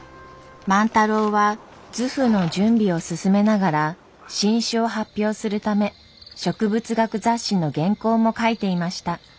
万太郎は図譜の準備を進めながら新種を発表するため植物学雑誌の原稿も書いていました。